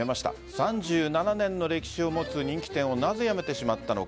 ３７年の歴史を持つ人気店をなぜ辞めてしまったのか。